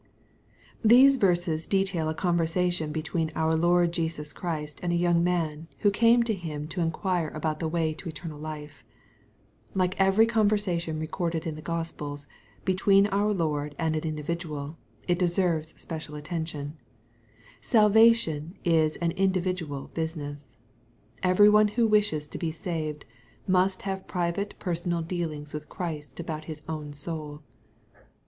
These verses detail a conversation between our Lord Jesus Christ and a young man, who came to Him to in quire about the way to eternal life. Like every con versation recorded in the Gospels, between our Lord and an individual, it deser^^es special attention. Salva tion is an individual business. Every one who wishes to be saved, must have private personal dealings with Christ about his own soul.